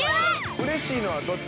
うれしいのはどっち？